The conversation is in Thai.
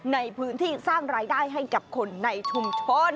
ในพื้นที่สร้างรายได้ให้กับคนในชุมชน